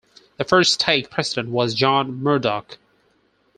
The first stake president was John Murdock.